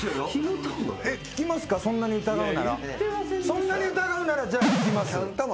そんなに疑うならじゃあ聴きます？